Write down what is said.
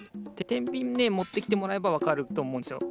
てんびんねもってきてもらえばわかるとおもうんですよ。